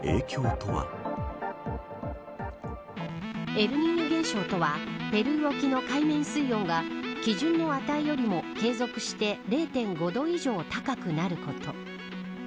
エルニーニョ現象とはペルー沖の海面水温が基準の値よりも、継続して０．５度以上高くなること。